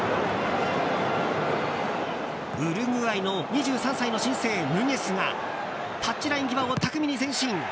ウルグアイの２３歳の新星ヌニェスがタッチライン際を巧みに前進。